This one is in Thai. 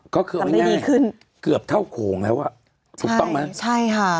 ก็คือวันนี้ดีขึ้นเกือบเท่าโขงแล้วอ่ะถูกต้องไหมใช่ค่ะ